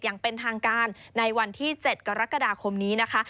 อย่างเป็นทางการในวันที่๗กรกฎาคมนี้นะคะ